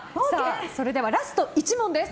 それではラスト１問です。